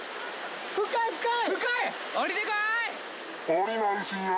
深い深い！